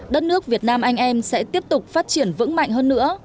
đất nước việt nam anh em sẽ tiếp tục phát triển vững mạnh hơn nữa